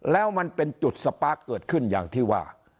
แล้วมันเป็นจุดสปาร์คเกิดขึ้นอย่างที่ว่า